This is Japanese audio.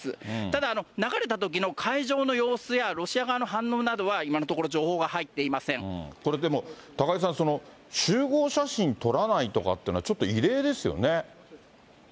ただ、流れたときの会場の様子やロシア側の反応などは今のところ情報はこれでも、高井さん、集合写真撮らないとかっていうのは、ちょっと異例ですよね。